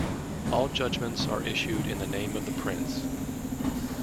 All judgments are issued in the name of the Prince.